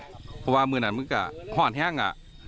เพราะว่ามือหนันเหมือนกับห้อนแห้ง